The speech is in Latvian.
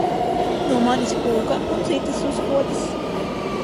No manis kūka un citas uzkodas!